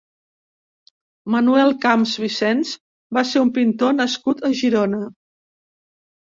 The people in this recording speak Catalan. Manuel Camps Vicens va ser un pintor nascut a Girona.